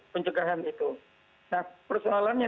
pencegahan itu nah persoalannya